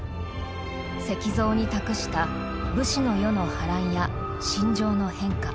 石像に託した武士の世の波乱や心情の変化。